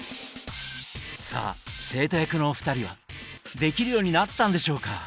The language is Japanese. さあ生徒役のお二人はできるようになったんでしょうか？